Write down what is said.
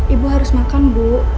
ibu harus makan bu